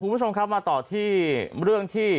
คุณผู้ชมครับมาต่อที่เรื่องที่